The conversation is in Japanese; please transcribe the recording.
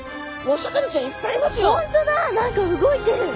何か動いてる！